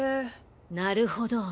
なるほど。